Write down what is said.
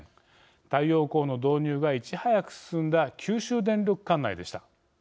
太陽光の導入がいち早く進んだ九州電力管内でした。